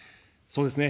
そうですね。